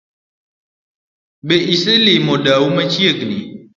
Be iselimo dau machiegni?